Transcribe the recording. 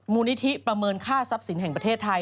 นิธิประเมินค่าทรัพย์สินแห่งประเทศไทย